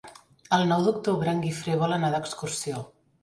El nou d'octubre en Guifré vol anar d'excursió.